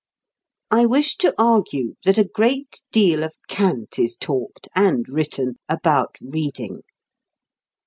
I wish to argue that a great deal of cant is talked (and written) about reading.